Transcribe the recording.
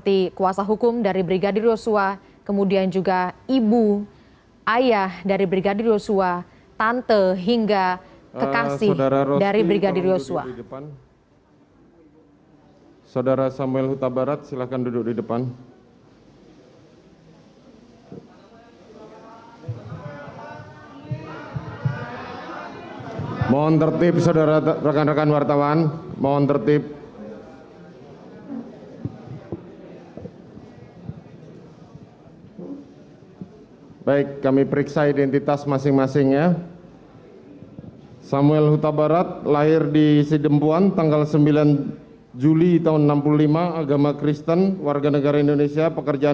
tidak ada buah keluarga juga ya